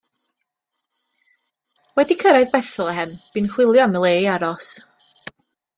Wedi cyrraedd Bethlehem bu'n chwilio am le i aros.